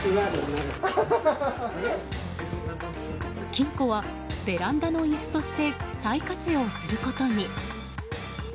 金庫は、ベランダの椅子として再活用することに。